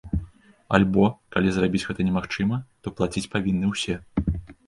Альбо, калі зрабіць гэта немагчыма, то плаціць павінны ўсе.